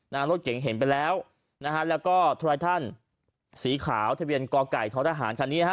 นะฮะรถเก๋งเห็นไปแล้วนะฮะแล้วก็สีขาวทะเบียนกอไก่ท้อทหารคันนี้นะฮะ